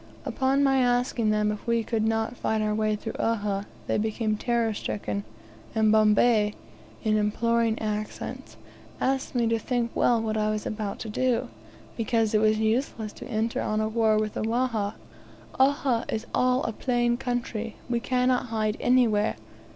Upon my asking them if we could not fight our way through Uhha, they became terror stricken, and Bombay, in imploring accents, asked me to think well what I was about to do, because it was useless to enter on a war with the Wahha. "Uhha is all a plain country; we cannot hide anywhere.